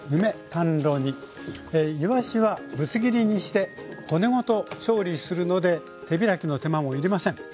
いわしはぶつ切りにして骨ごと調理するので手開きの手間もいりません。